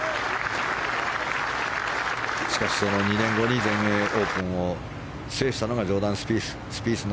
しかしその２年後に全英オープンを制したのがジョーダン・スピース。